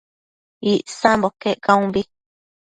Icsambo iquec caunbi